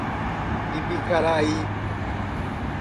Ibicaraí